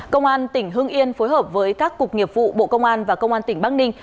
công an tỉnh hưng yên phối hợp với các cục nghiệp vụ bộ công an và công an tỉnh bắc ninh